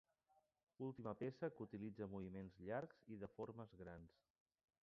Última peça que utilitza moviments llargs i de formes grans.